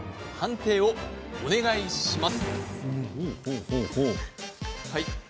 札をお願いします。